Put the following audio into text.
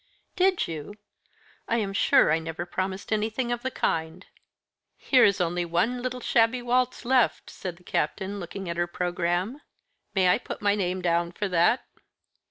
"Did you? I am sure I never promised anything of the kind." "Here is only one little shabby waltz left," said the Captain, looking at her programme. "May I put my name down for that?"